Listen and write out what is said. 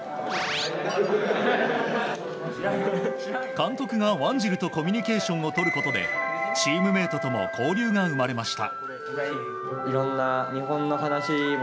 監督がワンジルとコミュニケーションをとることでチームメートとも交流が生まれました。